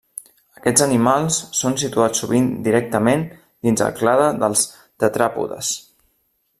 Aquests animals són situats sovint directament dins el clade dels tetràpodes.